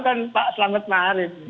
kan pak selamat marit